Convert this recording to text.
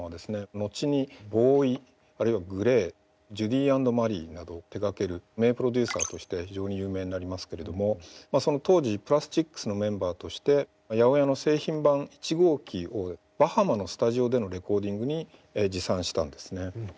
後にＢＯＷＹあるいはＧＬＡＹＪＵＤＹＡＮＤＭＡＲＹなどを手がける名プロデューサーとして非常に有名になりますけれども当時プラスチックスのメンバーとして８０８の製品版１号機をバハマのスタジオでのレコーディングに持参したんですね。